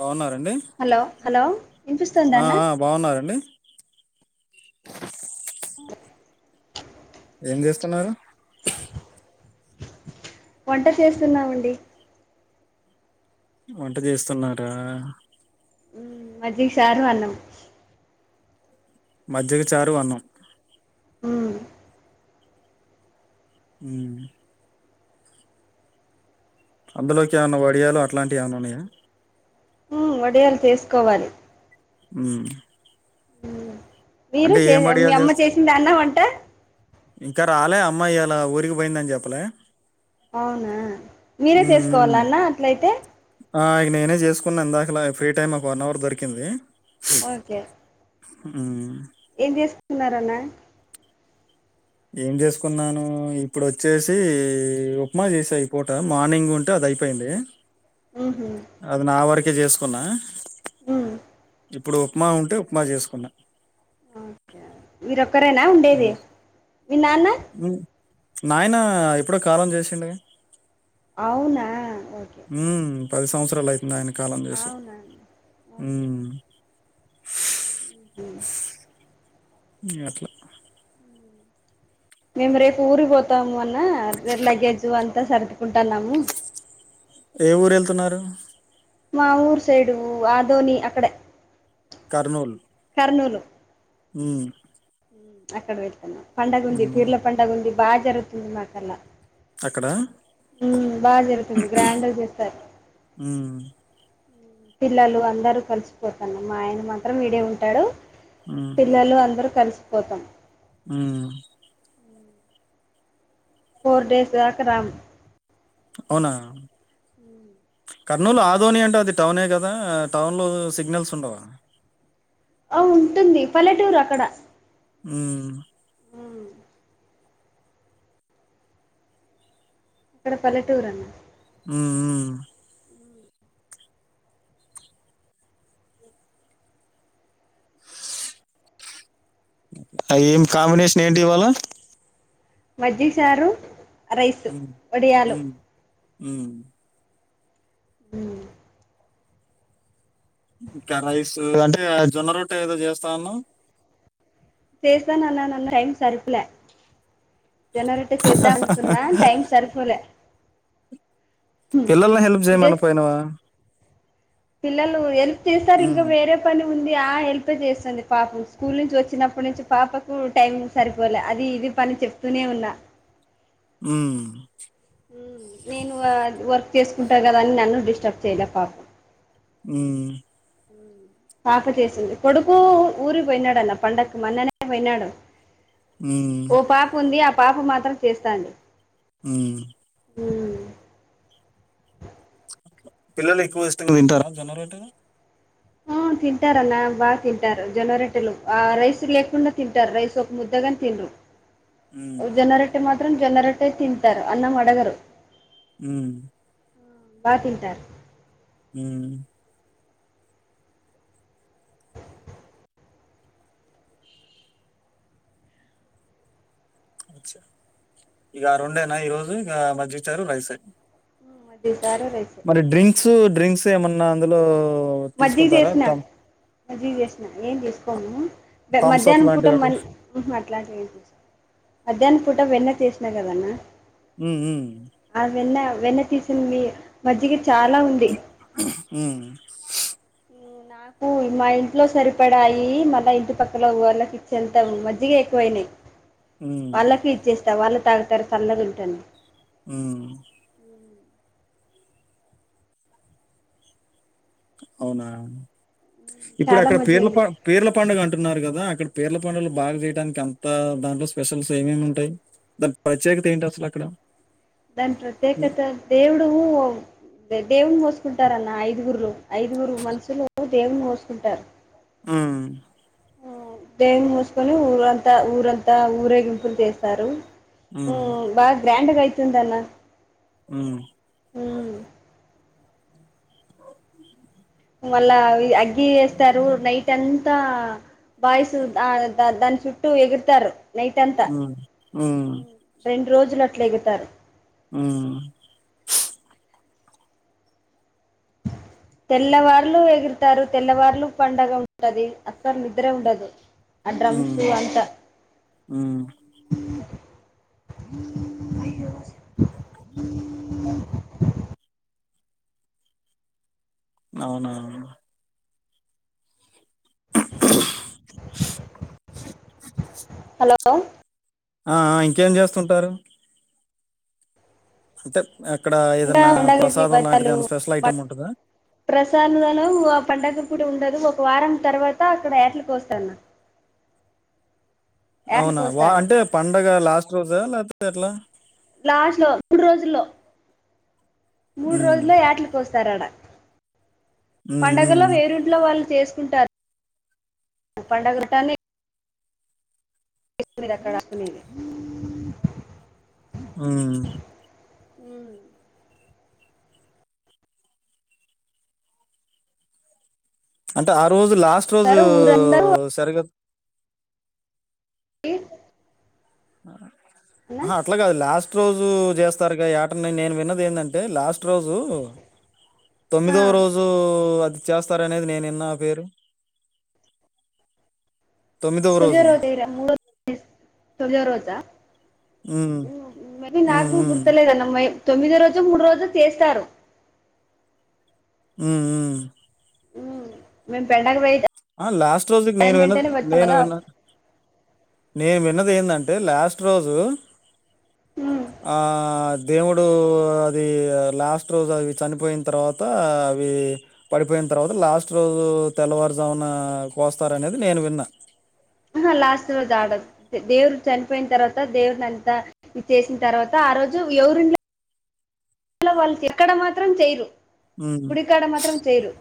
బాగున్నారండి hello hello వినిపిస్తుందా ఆ అన్న ఆ బాగున్నారండి ఏం చేస్తున్నారు వంట చేస్తున్నామండి వంట చేస్తున్నారా మజ్జీకి షారు అన్నాం మజ్జకి చారు అన్నం ఉమ్ అ అందులోకి ఏమన్నా వడియాలు అట్లాంటివి ఏమన్నా ఉన్నాయా ఉ వడియాలు తీసుకోవాలి ఉ మీరు చే మీ వడియాలు అమ్మ చేస్తా చేసింది అన్న వంట ఇంకా రాలే అమ్మా ఇయాల ఊరికి పోయిందని చెప్పలే అవునా మీరే ఉమ్ చేసుకోవాల ఉమ్. అన్న అట్లయితే ఆ ఇక నేనే చేసుకున్నా ఇ దాకలా ఫ్రీ టైమ్ ఒక వన్ అవర్ దొరికింది ఓకే ఆ ఏం చేసుకున్నారు అన్నా ఏం చేసుకున్నాను ఇప్పుడు వచ్చేసి ఉప్మా చేశా ఈ పూట మార్నింగ్ ఉంటే అద అయిపోయింది ఉహు అది నా వరకే చేసుకున్నా ఉ ఇప్పుడు ఉప్మా ఉంటే ఉప్మా చేసుకున్నా ఓకే మీరొక్కరేనా ఉండేది మీ నాన్న నాయనా ఎప్పుడో కాలం చేసిండూ అవునా ఓకే పది సంవత్సరాలు అయితుంది ఆయన కాలం చేసి అవునా ఉ న అట్లు మేము రేపు ఊరికి పోతాము అన్న లగేజు అంతా సర్దుకుంటున్నాము ఏ ఊరు వెళ్తున్నారు మా ఊరు సైడు ఆదోని అక్కడే కర్నూలు అన్నూలు ఉ అక్కడ వెళ్తాను పండుగ ఉంది హ్మ్. పీర్ల పండుగ ఉంది బాగా జరుగుతుంది మాకల్లా అక్కడా? హ బాగా జరుగుతుంది గ్రాండర్ చేస్తారు హ్మ్. పిల్లలు అందరూ కలిసిపోతను మా ఆయన మాత్రం ఈడే ఉంటాడు హ్మ్. పిల్లలు అందరూ కలిసిపోతాం ఆ ఫోర్ డేస్ రాక రాం అవునా కర్నూలు ఆధోని అంటే అది టౌనే కదా టౌన్ లో సిగ్నల్స్ ఉండవా ఆ ఉంటుంది పల్లెటూరు అక్కడ ఉ ఉ ఇక్కడ పల్లెటూరు అన్న ఉ ఉ అ ఏం కాంబినేషన్ ఏంటి ఇవాళ మజ్జిలిచారు రైసు వడియాలు ఉ ఉ ఇంకా రైస్ అంటే జొన్న రొట్ట ఏదో చేస్తా అన్నావ్ చేస్తా అన్నాను అన్నా టైం సరుకులే జొన్నారోటే చేద్దా అనుకున్నా టైం సరిపోలే పిల్లల్ని హెల్ప్ ఇదే చేయమని పోయినావా పిల్లలు ఎల్ప్ చేస్తారు ఇంకా హ్మ్. వేరే పని ఉంది ఆ హెల్ప్ చేస్తుంది పాప స్కూల్ నుంచి వచ్చినప్పుటి నుంచి పాపకు టైం సరిపోలేదు అది ఇ ఇది పని చెప్తూనే ఉన్నా ఉ నేను వర్క్ చేసుకుంటా కదా అని నన్ను డిస్టర్బ్ చేయలే పాపం ఉ పాప చేస్తుంది కొడుకు ఊరికి పోయినాడున్న పండగకు మన్ననే పోయినాడు ఉమ్ ఓ పాపు ఉంది ఆ పాపు మాత్రం చేస్తాది ఉ హ పిల్లలు ఎక్కువ ఇష్టంగా తింటారా జొన్నారోటేనూ ఆ తింటారన్న బాగా తింటారు జొన్నారోటేలు ఆ రైస్ లేకుండా తింటారు రైస్ ఒక ముద్దగాని తినరు ఉమ్ జొన్నరెట్టె మాత్రం జొన్నరెట్టే తింటారు అన్నం అడగరు ఉ బా తింటారు హ ఇక రెండేనా ఈ రోజు ఆ మాజీగా చారు రైసేయ్ ఉమ్, మజ్జిగ సారు రైస్ మరి డ్రింక్స్ డ్రింక్స్ ఏమన్నా అందులో మజ్జిగ తీసుకుంటారా చేసిన థమ్ మజ్జిగ చేసిన ఏం చేసుకోము థమ్స్ అప్ మధ్యాహ్నం పూట లాంటివి అట్లా అట్లాంటి మధ్యాహ్నం పు టా వెన్న చేసినా కదన్న ఉహు ఆ వెన్న వెన్న తీసింది మజ్జిగ చాలా ఉంది ఉమ్ ఉమ్, నాకు మా ఇంట్లో సరిపడాయి మళ్ళ ఇంటి పక్కల వాళ్ళకిళ్తాం మజ్జగ ఎక్కువయినాయి ఉమ్ వాళ్ళకి ఇచ్చేస్తా వాళ్ళ తాగుతారు తల్లది ఉంటుంది ఉ అవునా ఇప్పుడు చాలా అక్కడ మంచిగా పేర్ల ఉంది పేర్ల పండుగ అంటున్నారు కదా అక్కడ పేర్ల పండులు బాగా చేయడానికి అంత దాంట్లో స్పెషల్స్ ఏమేమి ఉంటాయి దా ప్రత్యేకత ఏంటి అసలు అక్కడ దాని ఉమ్ ప్రత్యేకత దేవుడు దేవు కుంటారున్న ఐదుగురులు ఐదుగురు మనుసులు దేవుని మోసుకుంటారు ఆ దేని మూసుకొని ఊరంతా ఊరంతా ఊరేగింపులు చేస్తారు హ బా గ్రాండ్గా అయితుందీ అన్న హ ఉ మళ్ళా అగ్గి వేస్తారు నైట్ అంతా బాయిస్ ఆ ద దాని చుట్టూ ఎగురుతారు నైట్ అంతా ఆ రెండు రోజులు అట్ల ఎగుతారు ఆ తెల్లవారులు ఎగురుతారు తెల్లవారులు పండగ ఉంటది అసలు నిద్రే ఉండదు ఆ డ్రమ్సు హ్మ్ అంత హ్మ్ అ అవునా అ హలో ఆ ఇంకేం చేస్తుంటారు అంటే ఎక్కడ ఇంకా ఏదన్నా పండగలకి ప్రసాదం లాంటిది ఏనా స్పెషల్ ఐటెమ్ ఉంటందా ప్రసాదదనం ఆ పండగకూ ప్పుడు ఉండదు ఒక వారం తర్వాత అక్కడ ఏట్లకు కోస్తానా అవునా వా అంటే పండగ లాస్ట్ రోజా లేకపోతే ఎట్లా లాస్ట్ లో మూడు రోజుల్లో మూడు హ్మ్. రోజుల్లో ఏటలకు కోస్తారు హ్మ్. పడుగలో హ్మ్. వేరుంట్లో వాళ్ళు చేసు టారు పండగలు కానీ దక్క రా మీదీ ఆ ఉ అంటే ఆ రోజు లాస్ట్ రోజు తారు ఊరందరూ సరిగదు ఎ ఆ అట్లా కాదు లాస్ట్ ఫ రోజు చేస్తారు ఆటని నేను విన్నది ఏంటంటే లాస్ట్ రోజు ఆ తొమ్మిదవ రోజు అది చేస్తారనేది నేనేన్న ఆ పేరు తోమిదో రోజు ఏరా మూడో రోజు వేస్తా హ్మ్. ఇవన్నీ హ్మ్. నాకు హ్మ్. గుర్తు లేదన్న మా తొమ్మిదో రోజు మూడు రోజు చేస్తారు ఉ ఉ ఉ మేం పెండగ వెయితే ఆ లాస్ట్ రోజుకి నేను విన్న నేను కదా విన్న నేను విన్నది ఏంటంటే లాస్ట్ రోజు ఉమ్, దేవుడు అది లాస్ట్ రోజు అవి చనిపోయిన తర్వాత అవి పడిపోయిన తర్వాత లాస్ట్ రోజు తెల్లవారుజామున కోస్తార అనేది నేను విన్నా ఆ లాస్ట్ రోజు ఆడదు దేవుడు చనిపోయిన తర్వాత దేవుని అంతా చేసిన తర్వాత ఆ రోజు జు ఎవరి ఇం ట్లో వాళ్ళు ఎక్కడ మాత్రం చేయరు హ్మ్. గుడికాడ మాత్రం చేయరు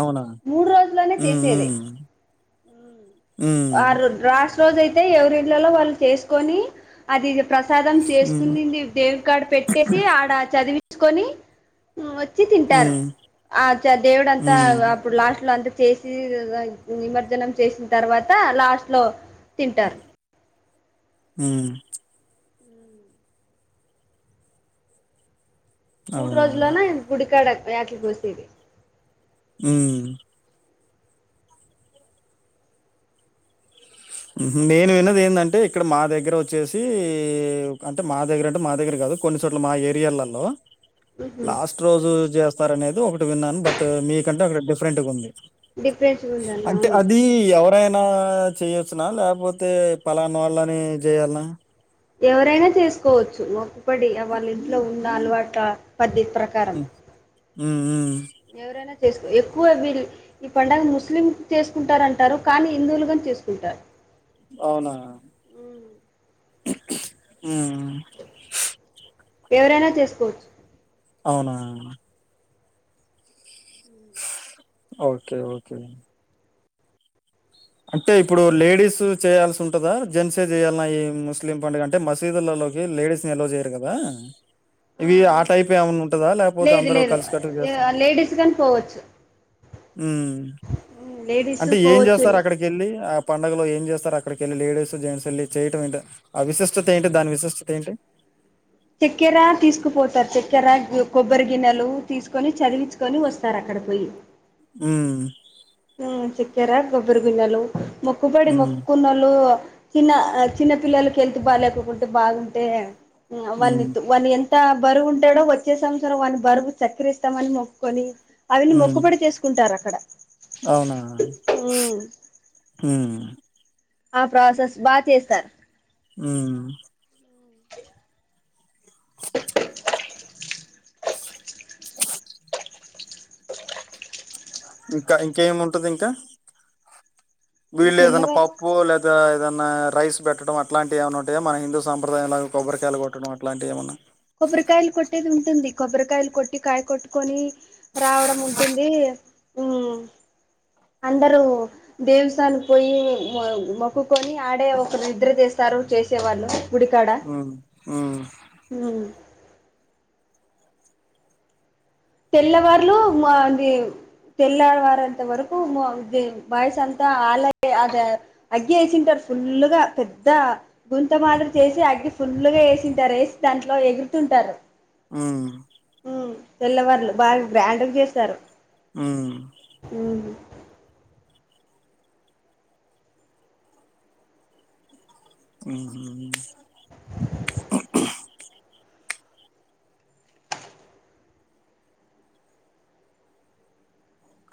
అవునా? మూడు రోజుల్లోనే హ్మ్. చేసేది హ్మ్. హ్మ్. ఆ రో లాస్ట్ రోజ అయితే ఎవరి ఇళ్లలో వాళ్ళు చేసుకొని అది ప్రసాదం హ్మ్. చేసుకుని దేవికడ పెట్టేసి ఆడ చదివించుకొని వచ్చి తింటారు హ్మ్. ఆ దేవుడుంతా హ్మ్. అప్పుడు లాస్ట్ లో అంత చేసి నిమజ్జనం చేసిన తర్వాత లాస్ట్ లో తింటారు ఆ మూడు అవునా? రోజులనా గుడికాడ ఏటలు కోసేది ఉ నేను విన్నది ఏంటంటే ఇక్కడ మా దగ్గర వచ్చేసి అంటే మా దగ్గర అంటే మా దగ్గర కా కొన్ని చోట్ల మా ఏరియాలలో లాస్ట్ రోజు చేస్తార అనేది ఒకటి విన్నాను బట్ మీకంటే అక్కడ డిఫరెంట్గా ఉంది డిఫరెంట్గా ఉందన్న అంటే అవును అది ఎవరైనా చేయొచ్చున లేకపోతే పలానా వాళ్ళని చేయాలనా ఎవరైనా చేసుకోవచ్చు ఒక పడి వాళ్ళ ఇంట్లో ఉన్న అలవాట పద్ధ్యతి ప్రకారం ఉఉ ఎవరేనా చేసు ఎక్కువ వీళ్ళు ఈ పడుగ ముస్లిం చేసుకుంటారంటారు కానీ హిందువులు కాని చేసుకుంటారు అవునా ఉ ఎవరైనా చేసుకోవచ్చు అవునా ఓకే ఓకే అంటే ఇప్పుడు లేడీస్ చేయాల్సి ఉంటదా జెంట్సే చేయాలన్నా ఈ ముస్లిం పండుగ అంటే మసీదుల లేడీస్ ఎల్లో చేయరు కదా ఇవి ఆ టైప్ ఏ ఉంటందా లేకపోతే లేదు అందరుూ లేదు కలిసి కట్టుకు చేస్తను లేడీస్ గాని పోవచ్చు లేడీస్ అంటే ఏం పోవచ్చు చేస్తారు అక్కడికి వెళ్ళి ఆ పడుగలో ఏం చేస్తారు అక్కడికి వెళ్ళి లేడీస్ జెంట్స్ వెళ్ళి చేయటం ఏంటి ఆ విశిష్టత ఏంటి దాని విశిష్టత ఏంటి చక్కెర తీసుకుపోతారు చక్కెర కొబ్బరి గిన్నెలు తీసుకొని చదివించుకొని వస్తారు అక్కడ కాడ పోయి ఉ హ చెక్కెర గొబ్బర బినలు మొక్కుబడి ఉమ్, మొక్కునలు చిన్న చిన్న పిల్లలకి హెల్త్ బాగాకుకుంటే బాగుంటే వాన్న ఉమ్, వాన్న ఎంత ఇంత బరువు ఉంటాడో వచ్చే సంవత్సరం వాని బరువు చక్కర ఇస్తామని మొక్కకొని అవిని ఉమ్. మొక్కుపడి చేసుకుంటారు అక్కడ అవునా హ ఆ ప్రాసెస్ బా చేస్తారు ఉ ఇంకా ఇంకేమి ఉంటది ఇంకా వీళ్ళ ఏదన్నా తెల్లవారి పప్పు లేదా ఏదనా న్నా రైస్ పెట్టడం అలాంటి ఏమన్నా ఉంటాయా మన హిందూ సాప్రదాయగా కొబ్బరికాయలు కొట్టడం అలాంటి ఏమన్నా కొబ్బరికాయలు కొట్టేది ఉంటుంది కొబ్బరికాయలు కొట్టి కాయ కొట్టుకొని రావడం ఉంటుంది ఉ అందరూ దేవస్థానికి పోయి మొక్కుకొని ఆడే ఒక నిద్ర చేస్త స్తారు చేసేవాళ్ళు గుడికాడ ఆ ఆ ఉ తెల్లవార్లు మా అది తెల్లడవారంత వరకు బయస్ అంతా ఆల అద అగ్గి వేసింటారు ఫుల్ గా పెద్ద గుంత మాదిరి చేసి అగ్గి ఫుల్గా వేసిరేసి దాంట్లో ఎగురుతూ టారు ఆ తెల్లవళ్లు బాగా గ్రాండ్ చేస్తారు ఆ ఉమ్ ఆ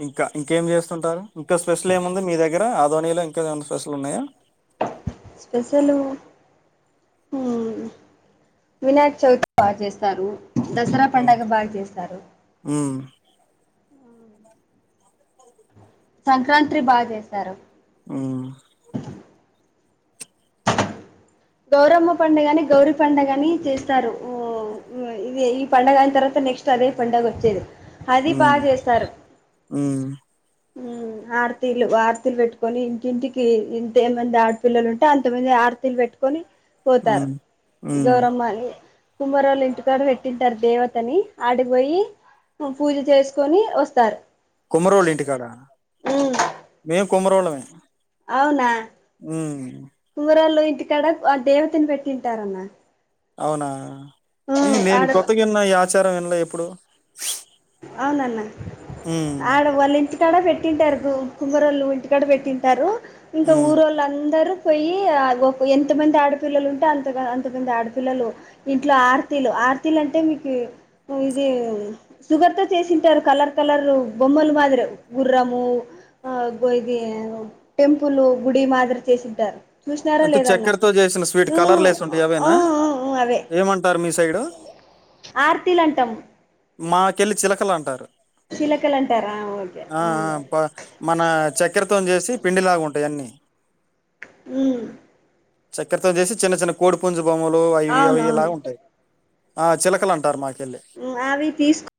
ఇంకా ఇంకేం చేస్తుంటారు ఇంకా స్పెషల్ ఏమి ఉంది మీ దగ్గర ఆధవానీలో ఇంకా ఏమనా స్పెషల్ ఉన్నాయా స్పెషలు ఉం వినాయక చవితి బా చేస్తారు దసరా ఉమ్, పండుగ బాగా చేస్తారు ఉమ్. సంక్రాంతి బా చేశారు ఆ గౌరమ్మ పడుగగాని గౌరి పడుగ గాని చేస్తారు ఓ ఇది ఈ పండుగ అయిన తర్వాత నెక్స్ట్ అదే పండుగ వచ్చేది అది బా హ్మ్ చేస్తారు హ్మ్ ఉమ్మ్ ఆడతీలు ఆరతీలు పెట్టుకొని ఇంటింటికి ఇంతేమంది ఆడపిల్లలు ఉంటే అంతమంది ఆరతీలు పెట్టుకు కని పోతారు హ్మ్ హ్మ్ గౌరమ్మా అని కొమ్మరోళ్లు ఇంటికాడు పెట్టింటారు దేవతని ఆడిగి పోయి పూజ చేసుకొని వస్తారు కుమ్మరోళ్ళ ఇంటికాడ మేము కుమ్మరళ్ళమే అవునా కుమ్మరోలా ఇంటికడ ఆ దేవతని పెట్టింటారమ్న్న అవునా ఇది నేను ఆడ కొత్తగాన్న ఈ ఆచారం వినలే ఎప్పుడు అవునన్నా హ్మ్. ఆడ వాళ్ళ ఇంటికి ఇడ పెట్టింటారు కుబ్బరళ్ళు ఇంటికాడ పెట్టింటారు ఇంకా హ్మ్. ఊరుోళ్ళు అందరు పోయి ఎంతమంది ఆడపిల్లలు ఉంటే అంత అంతమంది ఆడపిల్లలు ఇంట్లో ఆర్తీలు ఆర్తలు అంటే మీకు ఇది సుగర్ తో చేసింటారు కలర్ కలర్ బొమ్మలు మాదిరే గుర్రము ఆ గో ఇది టెంపుల్ గుడి మాదిరి చేసింటారు చూసినారా అంటే లేదన్న చక్కెరతో చేసిన స్వీట్ ఉ కలర్‌లేసుంటాయి అవేనా? ఉ అవే ఏమంటారు మీ సైడు? ఆర్తలు అంటాం మాకెళ్ళి చిలకలు అంటారు చిలకలు అంటారా ఓకే ఆ మన చెక్కరతోని చేసి పిండిలాగా ఉంటాయి అన్నీ ఉ చెక్కరతో చేసి చిన్న చిన్న కోడి పుంజు బొమ్మలు అవి అవి ఇలా అవునవును ఉంటాయి ఆ చిలకలు అంటారు మా అవి తీసుకు